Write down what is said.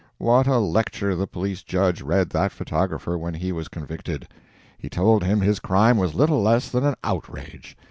What a lecture the police judge read that photographer when he was convicted! He told him his crime was little less than an outrage.